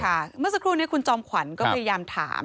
เมื่อสักครู่นี้คุณจอมขวัญก็พยายามถาม